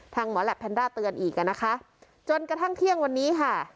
หมอแหลปแนนด้าเตือนอีกอ่ะนะคะจนกระทั่งเที่ยงวันนี้ค่ะ